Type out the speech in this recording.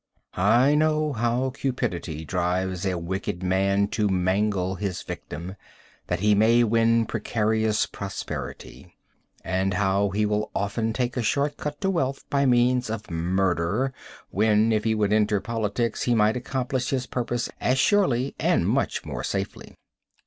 I know how cupidity drives a wicked man to mangle his victim, that he may win precarious prosperity, and how he will often take a short cut to wealth by means of murder, when, if he would enter politics, he might accomplish his purpose as surely and much more safely.